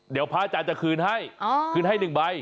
เดี๋ยวพระอาจารย์จะคืนให้คืนให้๑ใบ